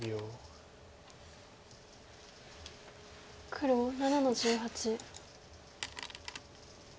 黒７の十八。